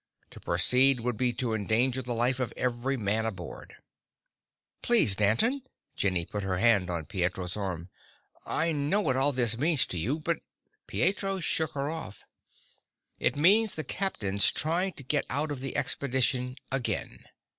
To proceed would be to endanger the life of every man aboard." "Please, Danton." Jenny put her hand on Pietro's arm. "I know what this all means to you, but " Pietro shook her off. "It means the captain's trying to get out of the expedition, again.